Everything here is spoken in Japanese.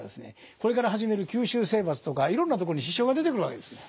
これから始める九州征伐とかいろんなとこに支障が出てくるわけですね。